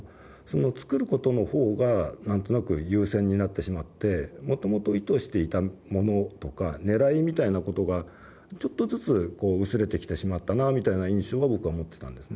作ることの方が何となく優先になってしまってもともと意図していたものとかねらいみたいなことがちょっとずつこう薄れてきてしまったなみたいな印象が僕は思ってたんですね。